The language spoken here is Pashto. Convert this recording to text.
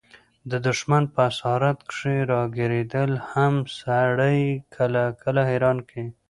د دښمن په اسارت کښي راګیرېدل هم سړى کله – کله حيران کي.